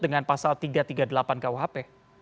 dengan pasal tiga ratus tiga puluh delapan kuhp